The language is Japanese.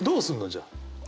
じゃあ。